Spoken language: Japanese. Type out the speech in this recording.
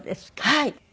はい。